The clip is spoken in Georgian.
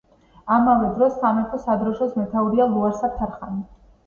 ამავე დროს სამეფო სადროშოს მეთაურია ლუარსაბ თარხანი.